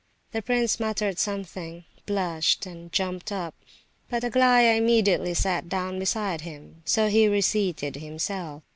The prince muttered something, blushed, and jumped up; but Aglaya immediately sat down beside him; so he reseated himself.